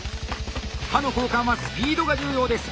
刃の交換はスピードが重要です。